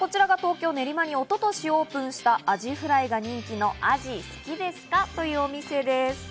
こちらが東京・練馬に一昨年オープンしたアジフライが人気の「アジ好きですか？」というお店です。